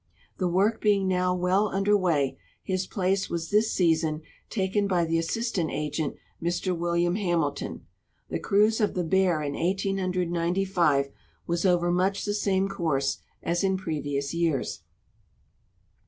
The work being now well under way, his place was this season taken by the assistant agent, Mr William Hamilton. The cruise of the Bear in 1895 was over much the same course as in previous years.